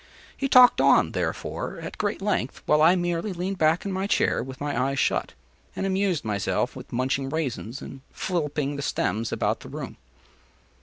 He talked on, therefore, at great length, while I merely leaned back in my chair with my eyes shut, and amused myself with munching raisins and filliping the stems about the room.